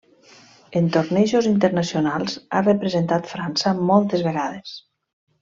En tornejos internacionals ha representat França moltes vegades.